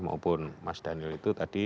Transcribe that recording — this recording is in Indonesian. maupun mas daniel itu tadi